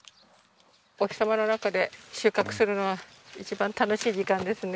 お日様の中で収穫するのが一番楽しい時間ですね。